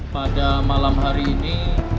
pada malam hari ini